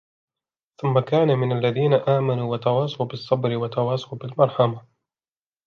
ثُمَّ كَانَ مِنَ الَّذِينَ آمَنُوا وَتَوَاصَوْا بِالصَّبْرِ وَتَوَاصَوْا بِالْمَرْحَمَةِ